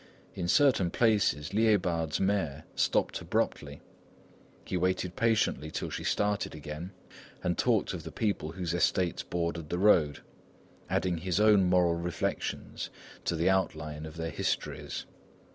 In certain places, Liébard's mare stopped abruptly. He waited patiently till she started again, and talked of the people whose estates bordered the road, adding his own moral reflections to the outline of their histories.